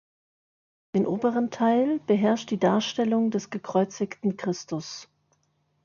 Den oberen Teil beherrscht die Darstellung des gekreuzigten Christus.